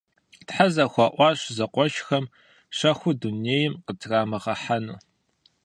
Тхьэ зэхуаӀуащ зэкъуэшхэм щэхур дунейм къытрамыгъэхьэну.